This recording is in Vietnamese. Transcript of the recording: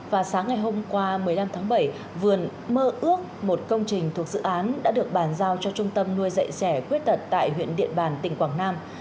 và sáng ngày hôm qua một mươi năm tháng bảy vườn mơ ước một công trình thuộc dự án đã được bàn giao cho trung tâm nuôi dạy trẻ khuyết tật tại huyện điện bàn tỉnh quảng nam